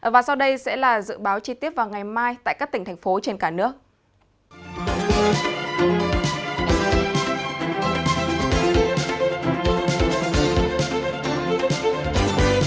và sau đây sẽ là dự báo chi tiết vào ngày mai tại các tỉnh thành phố trên cả nước